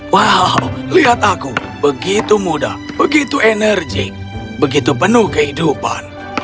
wow lihat aku begitu muda begitu enerjik begitu penuh kehidupan